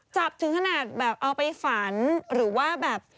ถึงขนาดแบบเอาไปฝันหรือว่าแบบ